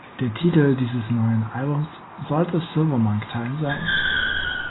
Der Titel dieses neuen Albums sollte „Silver Monk Time“ sein.